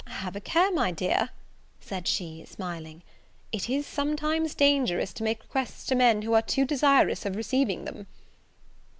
"Have I care, my dear!" said she, smiling: "it is sometimes dangerous to make requests to men who are too desirous of receiving them."